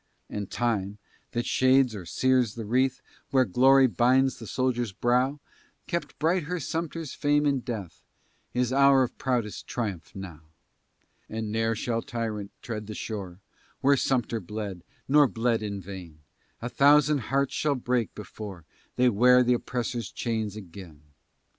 And time, that shades or sears the wreath, Where glory binds the soldier's brow, Kept bright her Sumter's fame in death, His hour of proudest triumph, now. And ne'er shall tyrant tread the shore Where Sumter bled, nor bled in vain; A thousand hearts shall break, before They wear the oppressor's chains again.